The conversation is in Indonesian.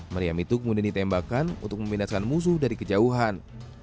meriam itu kemudian ditembakkan untuk meminaskan musuh dari kejauhan